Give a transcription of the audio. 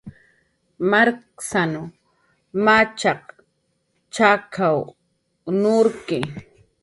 Markasn machaq chakw nurki